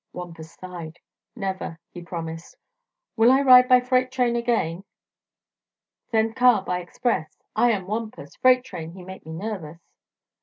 Wampus sighed. "Never," he promised, "will I ride by freight train again. Send car by express. I am Wampus. Freight train he make me nervous."